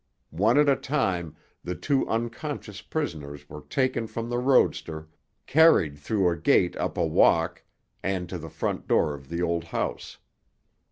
One at a time, the two unconscious prisoners were taken from the roadster, carried through a gate up a walk, and to the front door of the old house.